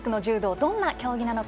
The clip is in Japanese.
どんな競技なのか。